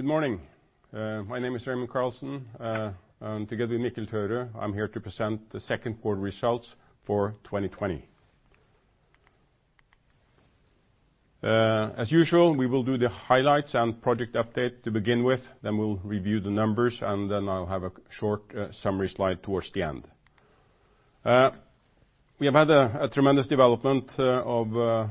Good morning. My name is Raymond Carlsen. Together with Mikkel Tørud, I'm here to present the second quarter results for 2020. As usual, we will do the highlights and project update to begin with. We'll review the numbers. I'll have a short summary slide towards the end. We have had a tremendous development of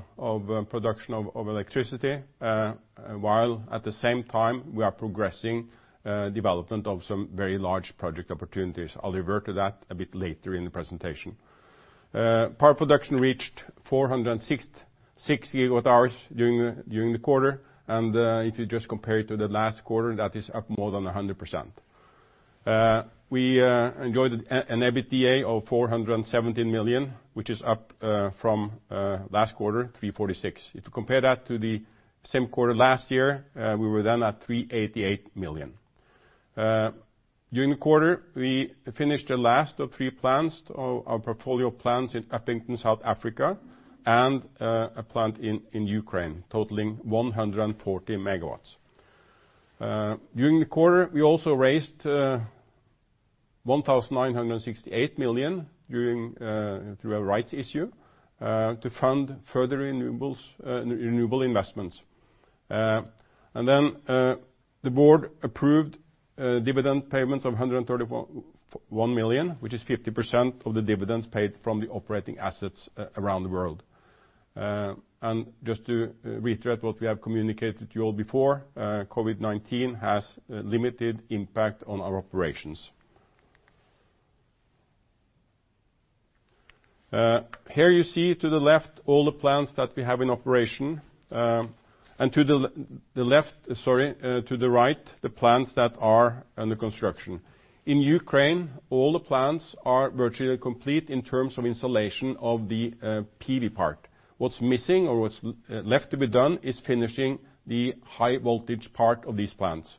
production of electricity, while at the same time we are progressing development of some very large project opportunities. I'll refer to that a bit later in the presentation. Power production reached 406 gigawatt hours during the quarter. If you just compare it to the last quarter, that is up more than 100%. We enjoyed an EBITDA of 417 million, which is up from last quarter, 346. If you compare that to the same quarter last year, we were then at 388 million. During the quarter, we finished the last of three plants, our portfolio plants in Upington, South Africa, and a plant in Ukraine, totaling 140 megawatts. During the quarter, we also raised 1,968 million through a rights issue to fund further renewable investments. The board approved dividend payments of 131 million, which is 50% of the dividends paid from the operating assets around the world. Just to reiterate what we have communicated to you all before, COVID-19 has limited impact on our operations. Here you see to the left all the plants that we have in operation, and to the left, sorry, to the right, the plants that are under construction. In Ukraine, all the plants are virtually complete in terms of installation of the PV part. What's missing or what's left to be done is finishing the high voltage part of these plants.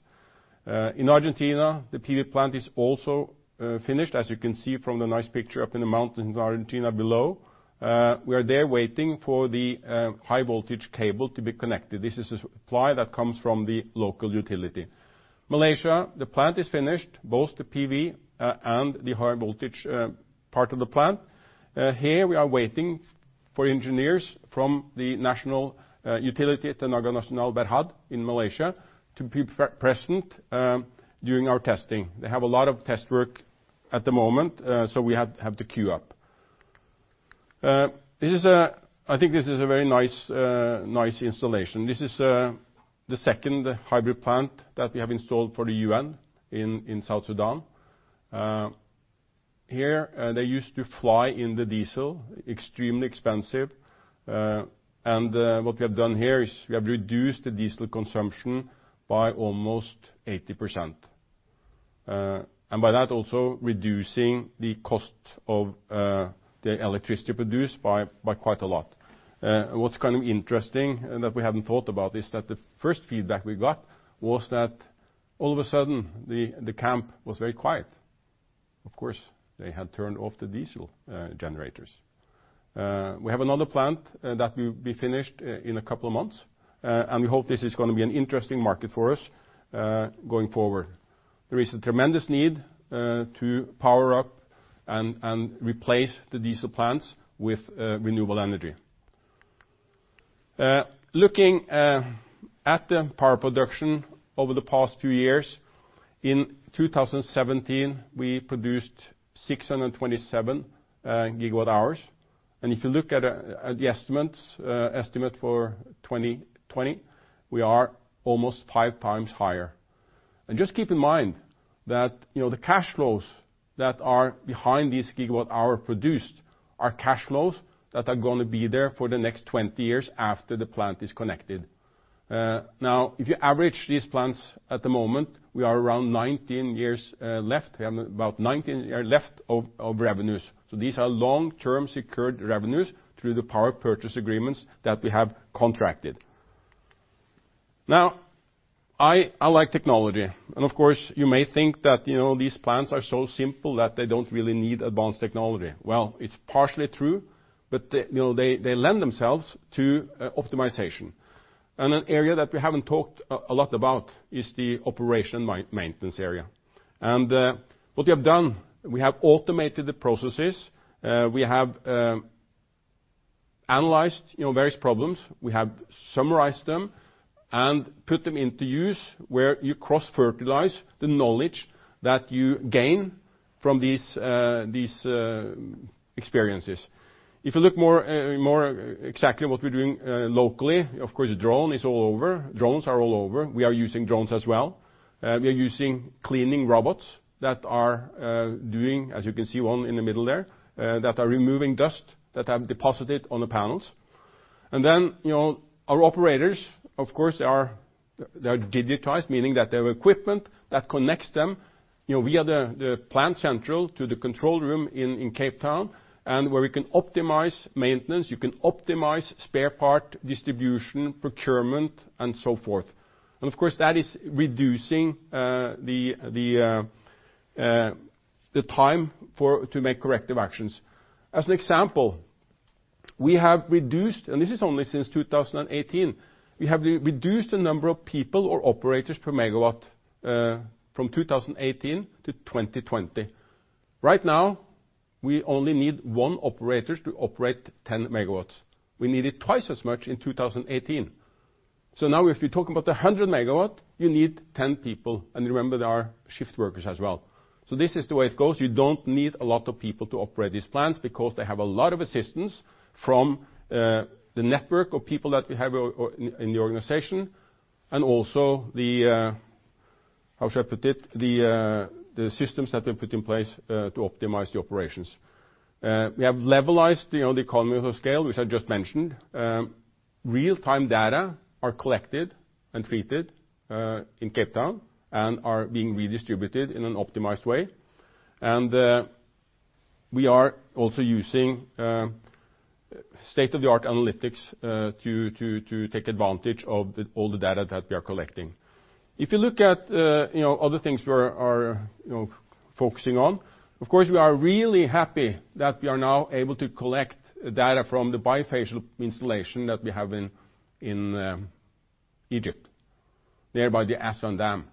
In Argentina, the PV plant is also finished, as you can see from the nice picture up in the mountains of Argentina below. We are there waiting for the high voltage cable to be connected. This is a supply that comes from the local utility. Malaysia, the plant is finished, both the PV and the high voltage part of the plant. Here we are waiting for engineers from the national utility, Tenaga Nasional Berhad in Malaysia, to be present during our testing. They have a lot of test work at the moment, so we have to queue up. I think this is a very nice installation. This is the second hybrid plant that we have installed for the UN in South Sudan. Here, they used to fly in the diesel, extremely expensive. What we have done here is we have reduced the diesel consumption by almost 80%. By that also reducing the cost of the electricity produced by quite a lot. What's kind of interesting, and that we haven't thought about, is that the first feedback we got was that all of a sudden the camp was very quiet. Of course, they had turned off the diesel generators. We have another plant that will be finished in a couple of months, and we hope this is going to be an interesting market for us going forward. There is a tremendous need to power up and replace the diesel plants with renewable energy. Looking at the power production over the past few years, in 2017, we produced 627 gigawatt hours. If you look at the estimate for 2020, we are almost five times higher. Just keep in mind that the cash flows that are behind this gigawatt hour produced are cash flows that are going to be there for the next 20 years after the plant is connected. If you average these plants at the moment, we are around 19 years left. We have about 19 years left of revenues. These are long-term secured revenues through the power purchase agreements that we have contracted. I like technology. Of course, you may think that these plants are so simple that they don't really need advanced technology. Well, it's partially true, but they lend themselves to optimization. An area that we haven't talked a lot about is the operation maintenance area. What we have done, we have automated the processes. We have analyzed various problems. We have summarized them and put them into use where you cross-fertilize the knowledge that you gain from these experiences. If you look more exactly what we're doing locally, of course, drone is all over. Drones are all over. We are using drones as well. We are using cleaning robots that are doing, as you can see one in the middle there, that are removing dust that have deposited on the panels. Then our operators, of course, they are digitized, meaning that they have equipment that connects them to the plant central to the control room in Cape Town and where we can optimize maintenance, you can optimize spare part distribution, procurement, and so forth. Of course, that is reducing the time to make corrective actions. As an example, we have reduced, and this is only since 2018, we have reduced the number of people or operators per megawatt from 2018 to 2020. Right now, we only need one operator to operate 10 megawatts. We needed twice as much in 2018. Now if you talk about 100 megawatt, you need 10 people, and remember, they are shift workers as well. This is the way it goes. You don't need a lot of people to operate these plants because they have a lot of assistance from the network of people that we have in the organization and also the, how should I put it, the systems that we put in place to optimize the operations. We have levelized the economies of scale, which I just mentioned. Real-time data are collected and treated in Cape Town and are being redistributed in an optimized way. We are also using state-of-the-art analytics to take advantage of all the data that we are collecting. If you look at other things we are focusing on, of course, we are really happy that we are now able to collect data from the bifacial installation that we have in Egypt, there by the Aswan Dam.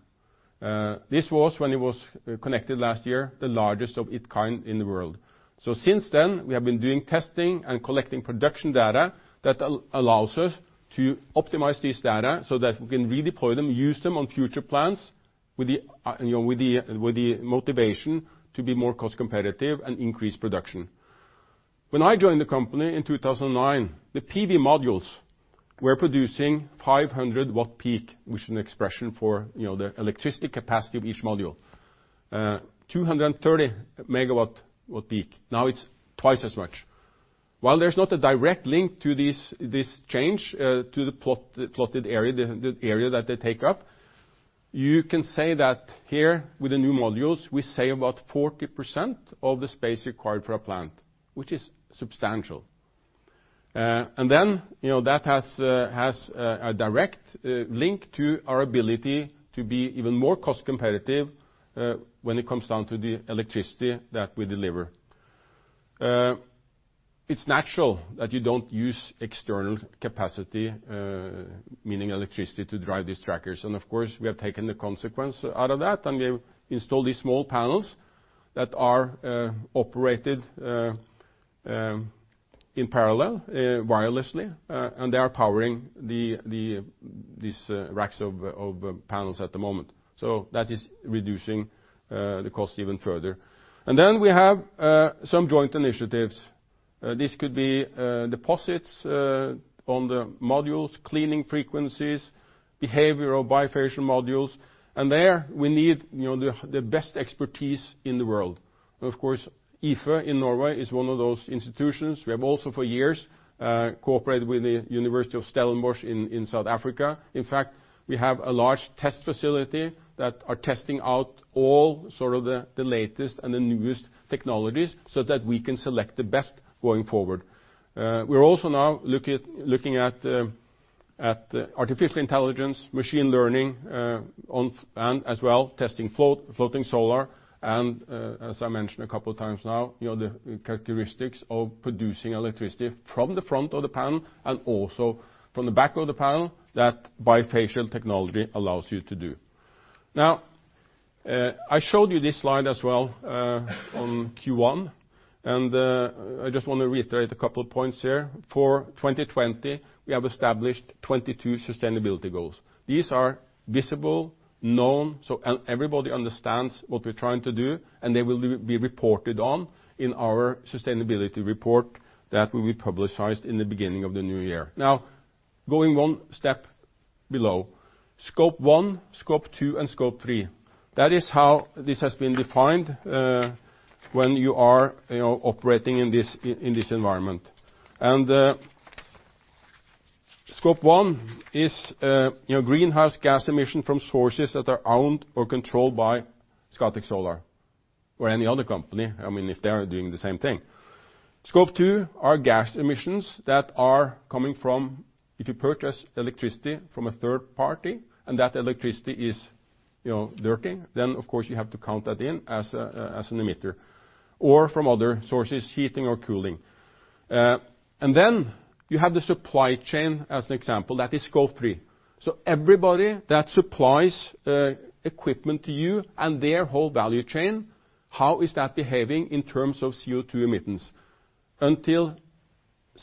This was, when it was connected last year, the largest of its kind in the world. Since then, we have been doing testing and collecting production data that allows us to optimize this data so that we can redeploy them, use them on future plans with the motivation to be more cost competitive and increase production. When I joined the company in 2009, the PV modules were producing 500 watt-peak, which is an expression for the electricity capacity of each module. 230 megawatt peak. Now it's twice as much. While there's not a direct link to this change to the plotted area, the area that they take up, you can say that here with the new modules, we save about 40% of the space required for a plant, which is substantial. That has a direct link to our ability to be even more cost competitive when it comes down to the electricity that we deliver. It's natural that you don't use external capacity, meaning electricity, to drive these trackers. Of course, we have taken the consequence out of that, and we have installed these small panels that are operated in parallel wirelessly, and they are powering these racks of panels at the moment. That is reducing the cost even further. We have some joint initiatives. This could be deposits on the modules, cleaning frequencies, behavior of bifacial modules. There we need the best expertise in the world. Of course, IFE in Norway is one of those institutions. We have also for years cooperated with the University of Stellenbosch in South Africa. In fact, we have a large test facility that are testing out all sort of the latest and the newest technologies so that we can select the best going forward. We are also now looking at artificial intelligence, machine learning, and as well, testing floating solar. As I mentioned a couple of times now, the characteristics of producing electricity from the front of the panel and also from the back of the panel that bifacial technology allows you to do. I showed you this slide as well on Q1, and I just want to reiterate a couple of points here. For 2020, we have established 22 sustainability goals. These are visible, known, so everybody understands what we're trying to do, and they will be reported on in our sustainability report that will be publicized in the beginning of the new year. Now, going one step below. Scope 1, Scope 2, and Scope 3. That is how this has been defined when you are operating in this environment. Scope 1 is greenhouse gas emission from sources that are owned or controlled by Scatec Solar or any other company, if they are doing the same thing. Scope 2 are gas emissions that are coming from if you purchase electricity from a third party and that electricity is dirty, then of course you have to count that in as an emitter or from other sources, heating or cooling. Then you have the supply chain as an example. That is Scope 3. Everybody that supplies equipment to you and their whole value chain, how is that behaving in terms of CO2 emittance? Until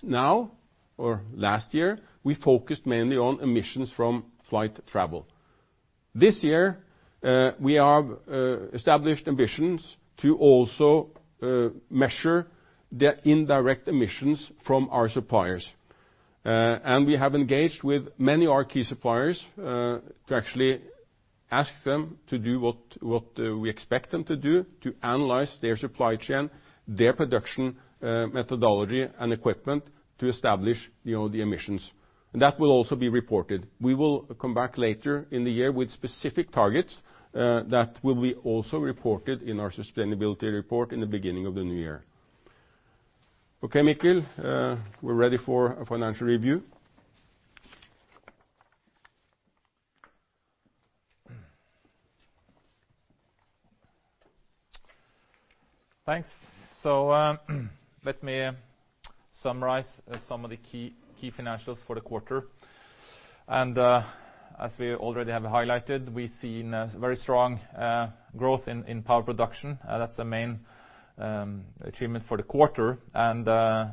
now or last year, we focused mainly on emissions from flight travel. This year, we have established ambitions to also measure the indirect emissions from our suppliers. We have engaged with many of our key suppliers to actually ask them to do what we expect them to do to analyze their supply chain, their production methodology and equipment to establish the emissions. That will also be reported. We will come back later in the year with specific targets that will be also reported in our sustainability report in the beginning of the new year. Okay, Mikkel, we're ready for a financial review. Thanks. Let me summarize some of the key financials for the quarter. As we already have highlighted, we've seen very strong growth in power production. That's the main achievement for the quarter, and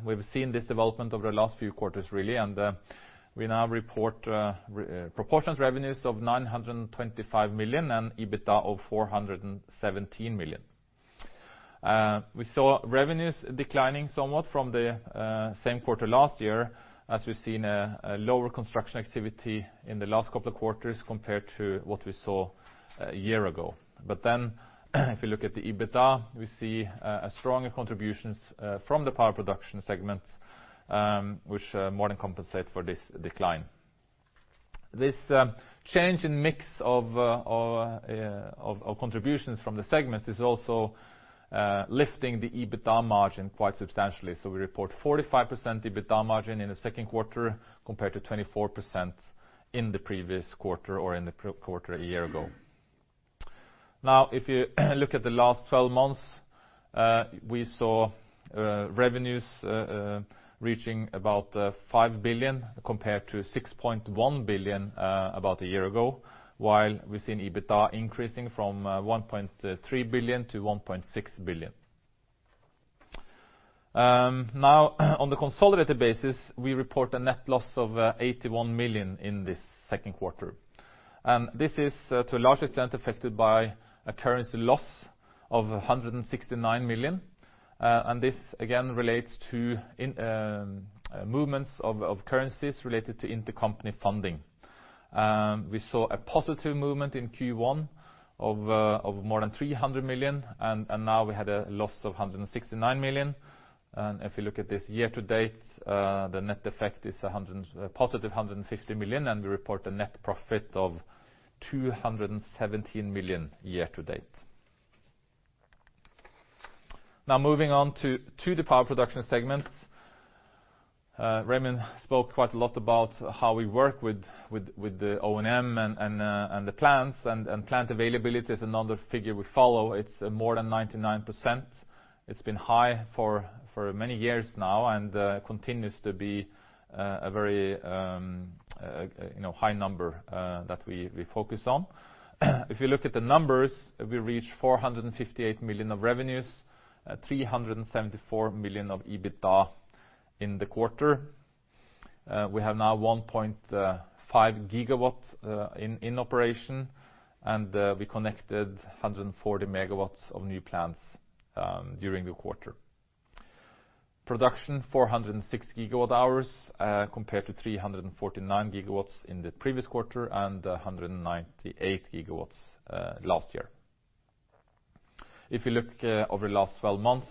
we've seen this development over the last few quarters really. We now report proportionate revenues of 925 million and EBITDA of 417 million. We saw revenues declining somewhat from the same quarter last year as we've seen a lower construction activity in the last couple of quarters compared to what we saw a year ago. If you look at the EBITDA, we see a stronger contributions from the power production segment, which more than compensate for this decline. This change in mix of contributions from the segments is also lifting the EBITDA margin quite substantially. We report 45% EBITDA margin in the second quarter compared to 24% in the previous quarter or in the quarter a year ago. If you look at the last 12 months, we saw revenues reaching about 5 billion compared to 6.1 billion about a year ago, while we've seen EBITDA increasing from 1.3 billion to 1.6 billion. On the consolidated basis, we report a net loss of 81 million in this second quarter. This is to a large extent, affected by a currency loss of 169 million. This again relates to movements of currencies related to intercompany funding. We saw a positive movement in Q1 of more than 300 million, and now we had a loss of 169 million. If you look at this year to date, the net effect is a positive 150 million, we report a net profit of 217 million year to date. Moving on to the power production segment. Raymond spoke quite a lot about how we work with the O&M and the plants, and plant availability is another figure we follow. It's more than 99%. It's been high for many years now and continues to be a very high number that we focus on. If you look at the numbers, we reached 458 million of revenues, 374 million of EBITDA in the quarter. We have now 1.5 GW in operation, and we connected 140 MW of new plants during the quarter. Production, 406 GWh compared to 349 GW in the previous quarter and 198 GW last year. If you look over the last 12 months,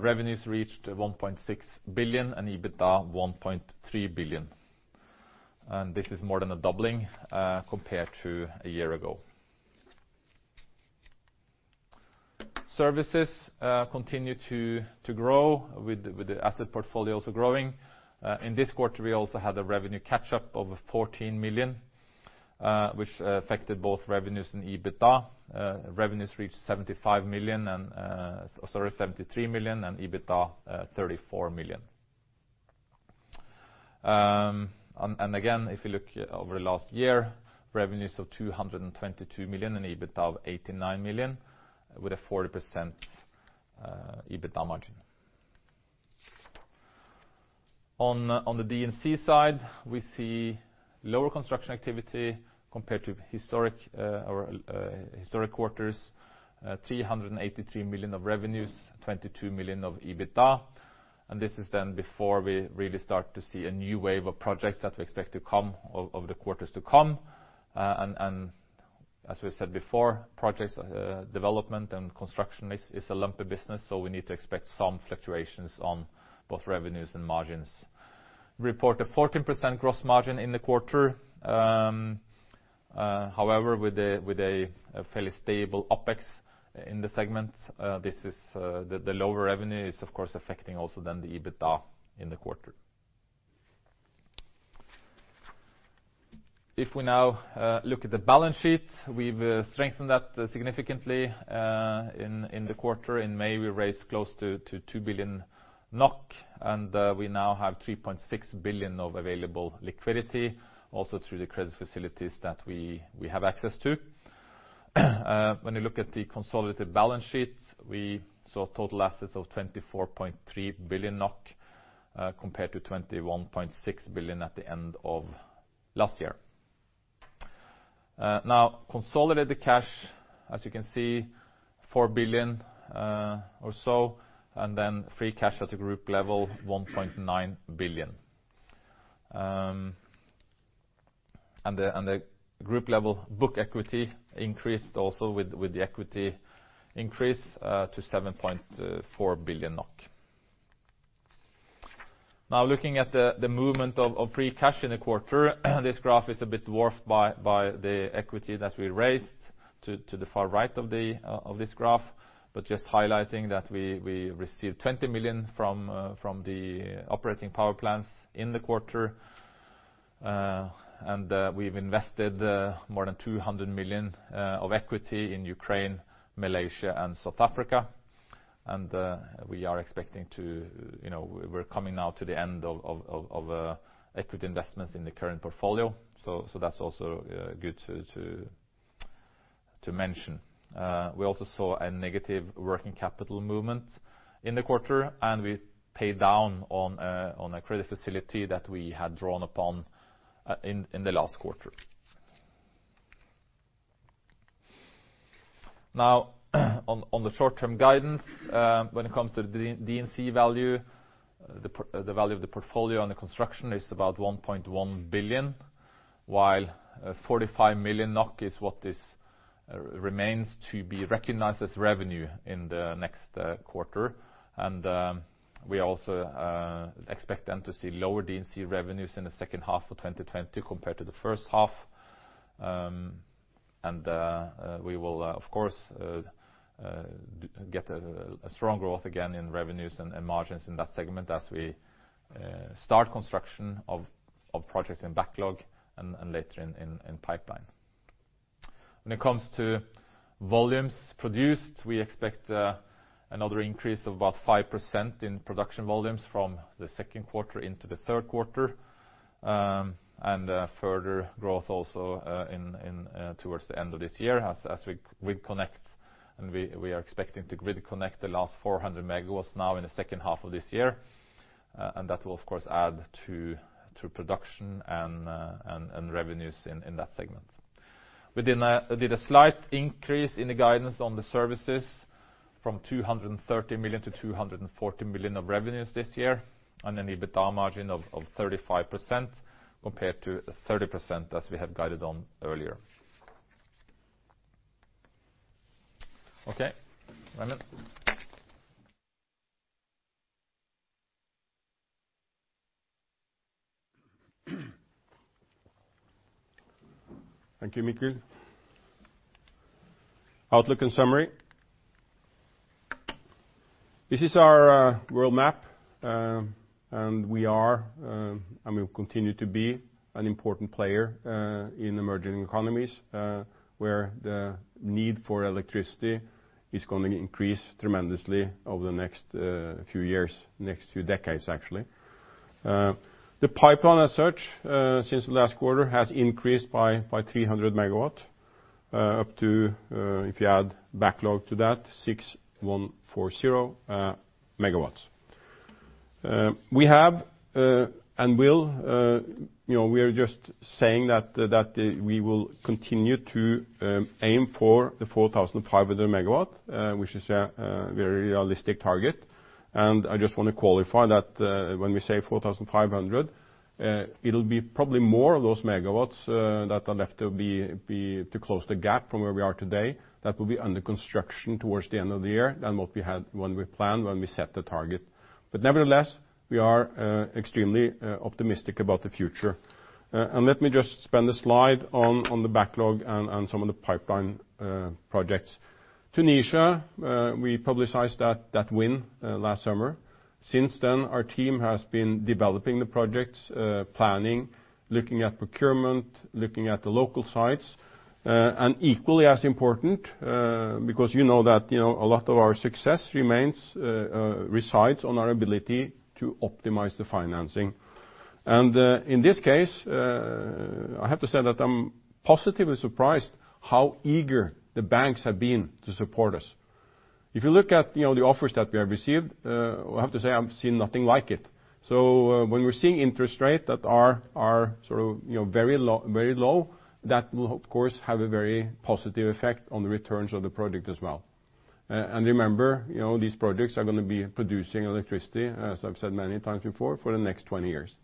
revenues reached 1.6 billion and EBITDA 1.3 billion. This is more than a doubling compared to a year ago. Services continue to grow with the asset portfolio also growing. In this quarter, we also had a revenue catch-up of 14 million, which affected both revenues and EBITDA. Revenues reached 73 million and EBITDA 34 million. Again, if you look over the last year, revenues of 222 million and EBITDA of 89 million with a 40% EBITDA margin. On the D&C side, we see lower construction activity compared to historic quarters, 383 million of revenues, 22 million of EBITDA. This is then before we really start to see a new wave of projects that we expect to come over the quarters to come. As we said before, projects development and construction is a lumpy business, so we need to expect some fluctuations on both revenues and margins. Report a 14% gross margin in the quarter. However, with a fairly stable OpEx in the segment, the lower revenue is of course affecting also the EBITDA in the quarter. If we now look at the balance sheet, we've strengthened that significantly in the quarter. In May, we raised close to 2 billion NOK, and we now have 3.6 billion of available liquidity also through the credit facilities that we have access to. When you look at the consolidated balance sheet, we saw total assets of 24.3 billion NOK compared to 21.6 billion at the end of last year. Now consolidated cash, as you can see, 4 billion or so, and then free cash at a group level, 1.9 billion. The group level book equity increased also with the equity increase to 7.4 billion NOK. Looking at the movement of free cash in the quarter, this graph is a bit dwarfed by the equity that we raised to the far right of this graph, but just highlighting that we received 20 million from the operating power plants in the quarter. We've invested more than 200 million of equity in Ukraine, Malaysia, and South Africa. We're coming now to the end of equity investments in the current portfolio. That's also good to mention. We also saw a negative working capital movement in the quarter, and we paid down on a credit facility that we had drawn upon in the last quarter. Now, on the short-term guidance, when it comes to the D&C value, the value of the portfolio on the construction is about 1.1 billion, while 45 million NOK is what remains to be recognized as revenue in the next quarter. We also expect then to see lower D&C revenues in the second half of 2020 compared to the first half. We will, of course, get a strong growth again in revenues and margins in that segment as we start construction of projects in backlog and later in pipeline. When it comes to volumes produced, we expect another increase of about 5% in production volumes from the second quarter into the third quarter. A further growth also towards the end of this year as we grid connect, and we are expecting to grid connect the last 400 megawatts now in the second half of this year. That will, of course, add to production and revenues in that segment. We did a slight increase in the guidance on the services from 230 million to 240 million of revenues this year, and an EBITDA margin of 35% compared to 30% as we have guided on earlier. Okay. Einar. Thank you, Mikkel. Outlook and summary. This is our world map. We are, and we will continue to be, an important player in emerging economies, where the need for electricity is going to increase tremendously over the next few years, next few decades, actually. The pipeline as such since last quarter has increased by 300 MW up to, if you add backlog to that, 6,140 MW. We are just saying that we will continue to aim for the 4,500 MW, which is a very realistic target. I just want to qualify that when we say 4,500, it'll be probably more of those MW that are left to close the gap from where we are today, that will be under construction towards the end of the year than what we had when we planned, when we set the target. Nevertheless, we are extremely optimistic about the future. Let me just spend a slide on the backlog and some of the pipeline projects. Tunisia, we publicized that win last summer. Since then, our team has been developing the projects, planning, looking at procurement, looking at the local sites. Equally as important, because you know that a lot of our success resides on our ability to optimize the financing. In this case, I have to say that I'm positively surprised how eager the banks have been to support us. If you look at the offers that we have received, I have to say I've seen nothing like it. When we're seeing interest rates that are very low, that will of course have a very positive effect on the returns of the project as well. Remember, these projects are going to be producing electricity, as I've said many times before, for the next 20 years.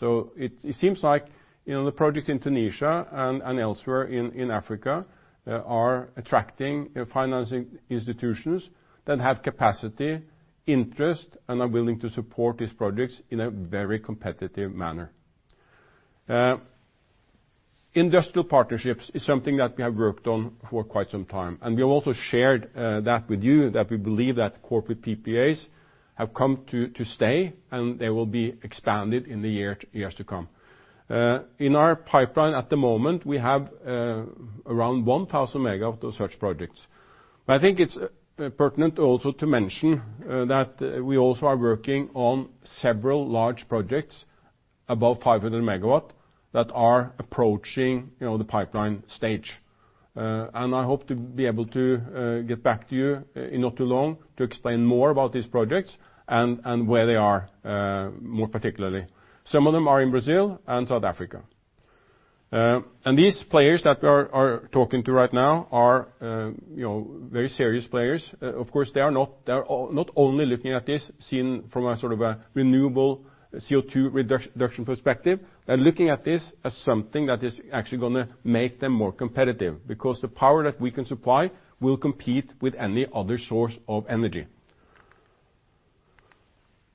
It seems like the projects in Tunisia and elsewhere in Africa are attracting financing institutions that have capacity, interest, and are willing to support these projects in a very competitive manner. Industrial partnerships is something that we have worked on for quite some time, and we have also shared that with you that we believe that Corporate PPAs have come to stay, and they will be expanded in the years to come. In our pipeline at the moment, we have around 1,000 megawatt of such projects. I think it's pertinent also to mention that we also are working on several large projects above 500 megawatt that are approaching the pipeline stage. I hope to be able to get back to you in not too long to explain more about these projects and where they are more particularly. Some of them are in Brazil and South Africa. These players that we are talking to right now are very serious players. Of course, they are not only looking at this seen from a sort of a renewable CO2 reduction perspective. They're looking at this as something that is actually going to make them more competitive, because the power that we can supply will compete with any other source of energy.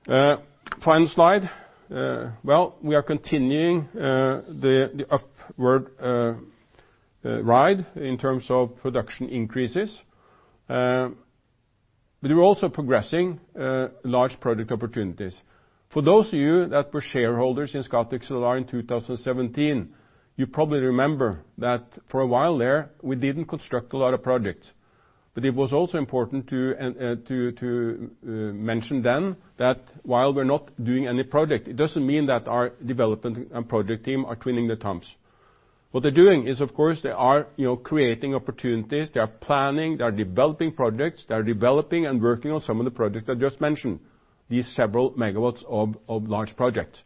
Final slide. Well, we are continuing the upward ride in terms of production increases. We are also progressing large project opportunities. For those of you that were shareholders in Scatec in 2017, you probably remember that for a while there, we didn't construct a lot of projects. It was also important to mention then that while we're not doing any project, it doesn't mean that our development and project team are twiddling their thumbs. What they're doing is, of course, they are creating opportunities. They are planning, they are developing projects, they are developing and working on some of the projects I just mentioned, these several megawatts of large projects.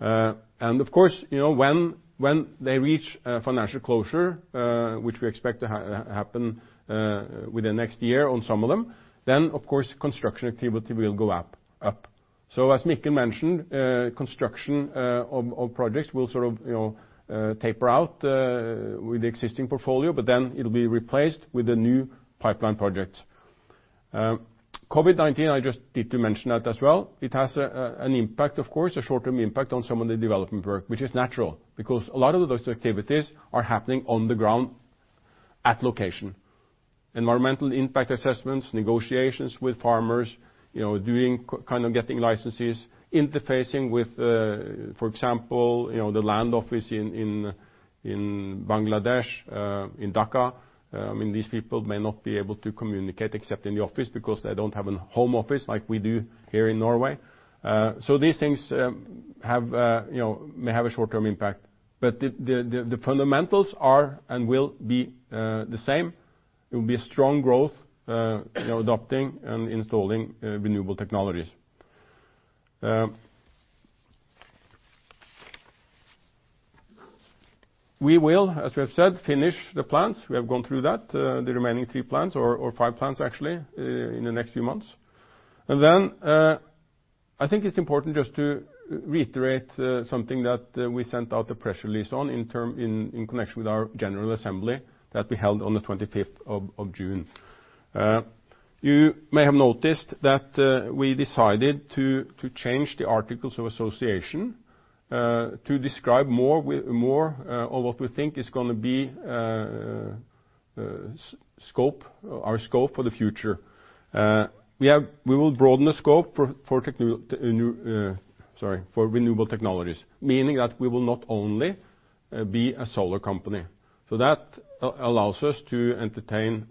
Of course, when they reach financial closure, which we expect to happen within next year on some of them, then, of course, construction activity will go up. As Mikkel Tørud mentioned, construction of projects will sort of taper out with the existing portfolio, but then it will be replaced with the new pipeline projects. COVID-19, I just need to mention that as well. It has an impact, of course, a short-term impact on some of the development work, which is natural because a lot of those activities are happening on the ground at location. Environmental impact assessments, negotiations with farmers, getting licenses, interfacing with, for example, the land office in Bangladesh, in Dhaka. These people may not be able to communicate except in the office because they don't have a home office like we do here in Norway. These things may have a short-term impact, but the fundamentals are and will be the same. It will be a strong growth adopting and installing renewable technologies. We will, as we have said, finish the plants. We have gone through that, the remaining three plants, or five plants actually, in the next few months. Then I think it's important just to reiterate something that we sent out a press release on in connection with our General Assembly that we held on the 25th of June. You may have noticed that we decided to change the articles of association to describe more on what we think is going to be our scope for the future. We will broaden the scope for renewable technologies, meaning that we will not only be a solar company. That allows us to entertain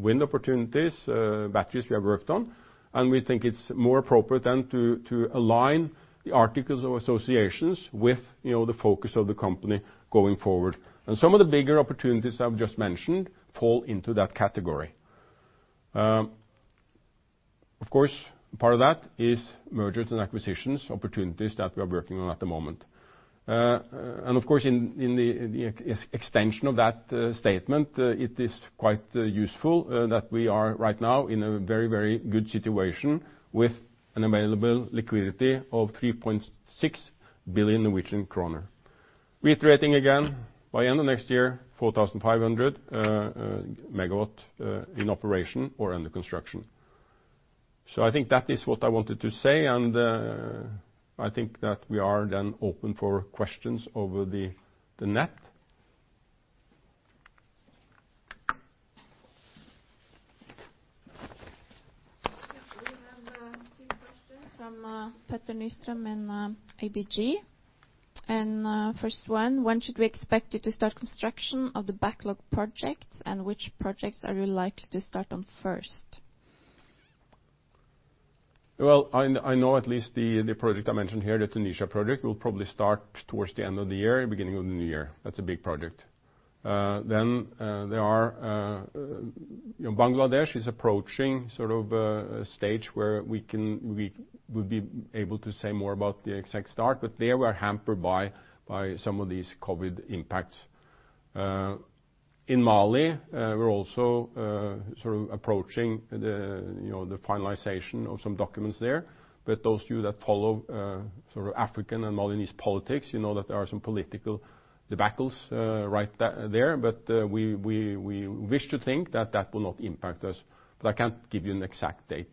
wind opportunities, batteries we have worked on, and we think it's more appropriate then to align the articles of association with the focus of the company going forward. Some of the bigger opportunities I've just mentioned fall into that category. Of course, part of that is mergers and acquisitions, opportunities that we are working on at the moment. Of course, in the extension of that statement, it is quite useful that we are right now in a very good situation with an available liquidity of 3.6 billion Norwegian kroner. Reiterating again, by end of next year, 4,500 MW in operation or under construction. I think that is what I wanted to say, and I think that we are then open for questions over the net. We have two questions from Petter Nystrøm in ABG. First one, when should we expect you to start construction of the backlog project, and which projects are you likely to start on first? Well, I know at least the project I mentioned here, the Tunisia project, will probably start towards the end of the year, beginning of the new year. That's a big project. Bangladesh is approaching sort of a stage where we would be able to say more about the exact start, but there we are hampered by some of these COVID impacts. In Mali, we're also sort of approaching the finalization of some documents there, but those of you that follow African and Malinese politics, you know that there are some political debacles right there. We wish to think that that will not impact us, but I can't give you an exact date.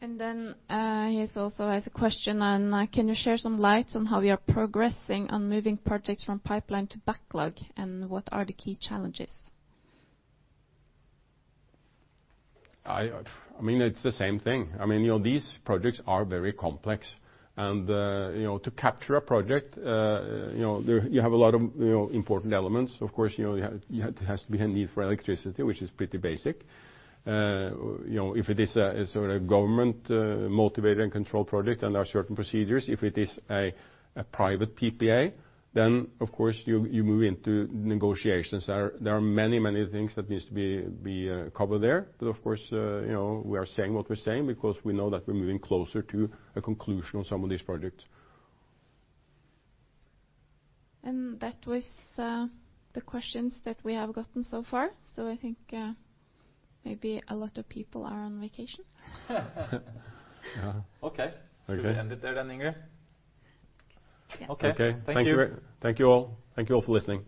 He also has a question on can you share some light on how we are progressing on moving projects from pipeline to backlog, and what are the key challenges? It's the same thing. These projects are very complex and to capture a project, you have a lot of important elements. Of course, there has to be a need for electricity, which is pretty basic. If it is a sort of government-motivated and controlled project and there are certain procedures, if it is a private PPA, then of course you move into negotiations. There are many things that need to be covered there. Of course, we are saying what we're saying because we know that we're moving closer to a conclusion on some of these projects. That was the questions that we have gotten so far. I think maybe a lot of people are on vacation. Okay. Should we end it there then, Inge? Okay. Thank you. Yeah. Thank you all. Thank you all for listening.